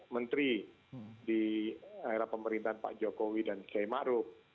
menteri di era pemerintahan pak jokowi dan k maruk